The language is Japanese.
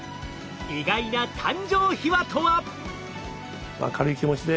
意外な誕生秘話とは？